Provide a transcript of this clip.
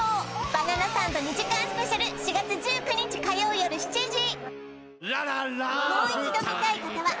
「バナナサンド」２時間スペシャル４月１９日火曜よる７時！